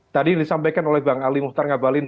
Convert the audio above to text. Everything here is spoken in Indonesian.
tadi disampaikan oleh bang ali muhtar ngabalin